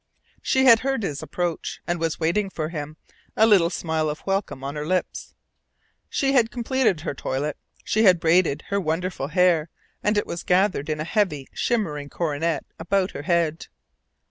She had heard his approach, and was waiting for him, a little smile of welcome on her lips. She had completed her toilet. She had braided her wonderful hair, and it was gathered in a heavy, shimmering coronet about her head.